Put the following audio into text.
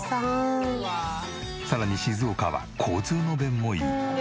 さらに静岡は交通の便もいい。